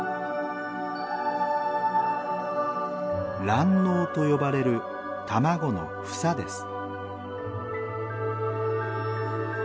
「卵嚢」と呼ばれる卵の房です。